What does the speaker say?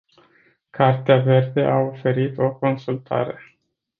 Cartea verde a oferit o consultare...